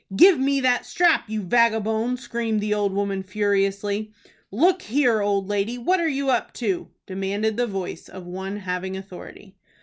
"Give me that strap, you vagabone!" screamed the old woman, furiously. "Look here, old lady, what are you up to?" demanded the voice of one having authority.